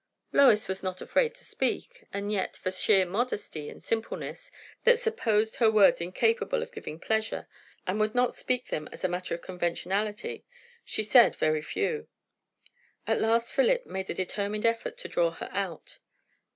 Lois was not afraid to speak; and yet, for sheer modesty and simpleness, that supposed her words incapable of giving pleasure and would not speak them as a matter of conventionality, she said very few. At last Philip made a determined effort to draw her out.